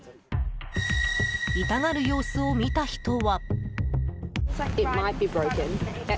痛がる様子を見た人は。